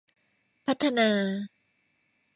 พัฒนา